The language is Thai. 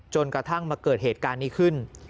จนกระทั่งมาเกิดเหตุการณ์นี้ขึ้น